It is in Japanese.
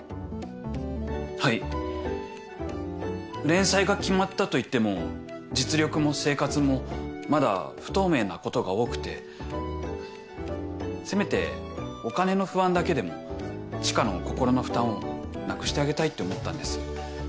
連載が決まったといっても実力も生活もまだ不透明なことが多くてせめてお金の不安だけでも知花の心の負担をなくしてあげたいって思ったんです。